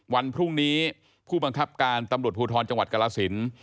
วันพรุ่งนี้ผู้บังคับการตำรวจภูทรจังหวัดกรสิน